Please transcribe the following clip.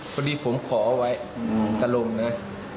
พอดีผมขอเอาไว้ตรมนะ